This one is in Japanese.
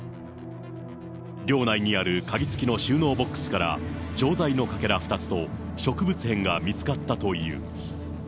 寮内にある鍵付きの収納ボックスから錠剤のかけら２つと植物片が見つかったという。